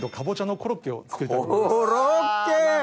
コロッケ！